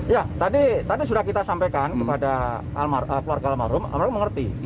ya tadi sudah kita sampaikan kepada keluarga almarhum almarhum mengerti